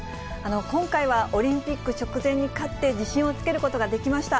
今回はオリンピック直前に勝って自信をつけることができました。